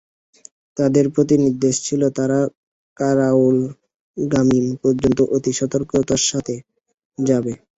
তাদের প্রতি নির্দেশ ছিল, তারা কারাউল গামীম পর্যন্ত অতি সতর্কতার সাথে যাবে।